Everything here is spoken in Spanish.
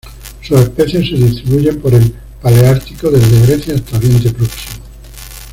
Sus especies se distribuyen por el paleártico desde Grecia hasta Oriente Próximo.